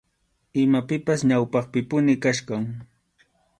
Imapipas ñawpaqpipuni kachkan.